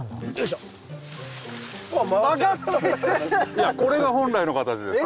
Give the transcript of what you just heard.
いやこれが本来の形です。